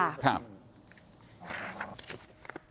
ครับ